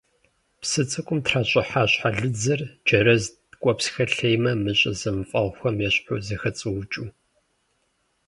Псы цӀыкӀум тращӀыхьа щхьэлыдзэр джэрэзт ткӀуэпсхэр лъеймэ мыщӀэ зэмыфэгъухэм ещхьу зэхэцӀуукӀыу.